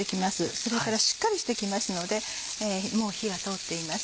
それからしっかりしてきますのでもう火が通っています。